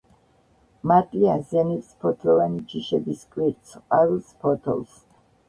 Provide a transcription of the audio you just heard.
მატლი აზიანებს ფოთლოვანი ჯიშების კვირტს, ყვავილს, ფოთოლს.